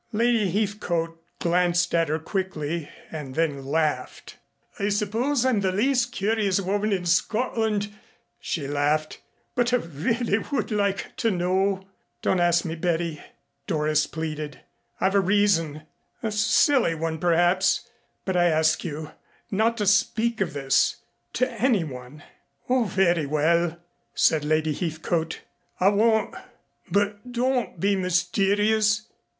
Lady Heathcote glanced at her quickly and then laughed. "I suppose I'm the least curious woman in Scotland," she laughed, "but I would really like to know " "Don't ask me, Betty," Doris pleaded. "I've a reason a silly one, perhaps, but I ask you not to speak of this to anyone." "Oh, very well," said Lady Heathcote, "I won't. But don't be mysterious.